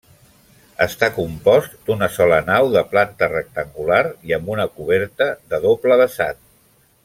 Està compost d'una sola nau de planta rectangular i amb una coberta de doble vessant.